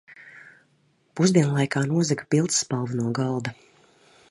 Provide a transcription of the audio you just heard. Pusdienlaikā nozaga pildspalvu no galda.